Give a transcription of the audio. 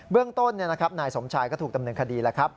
เรื่องต้นนายสมชายก็ถูกดำเนินคดีแล้วครับ